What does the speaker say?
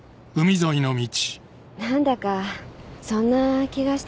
何だかそんな気がしてたの。